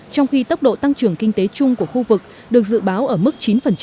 trong khi tốc độ tăng trưởng kinh tế chung của khu vực được dự báo ở mức chín